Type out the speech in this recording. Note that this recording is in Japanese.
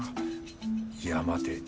いや待て。